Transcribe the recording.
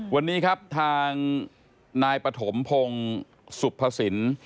วันนี้ครับทางนายปฐมพงศ์สุภสิน